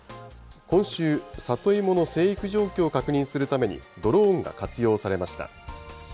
今週、里芋の生育状況を確認するためにドローンが活用されました。